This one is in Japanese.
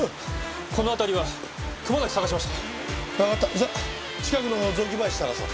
じゃあ近くの雑木林捜そう。